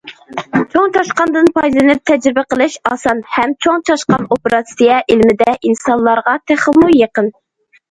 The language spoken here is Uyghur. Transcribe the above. چوڭ چاشقاندىن پايدىلىنىپ تەجرىبە قىلىش ئاسان ھەم چوڭ چاشقان ئوپېراتسىيە ئىلمىدە ئىنسانلارغا تېخىمۇ يېقىن.